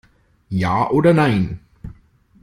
Ja oder nein?